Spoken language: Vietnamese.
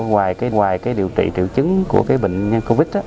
ngoài cái điều trị triệu chứng của cái bệnh nhân covid